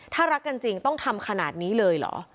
ถ้ารักกันจริงต้องทำขนาดนี้เลยเหรอ